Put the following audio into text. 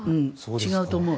違うと思う。